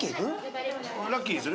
ラッキーにする？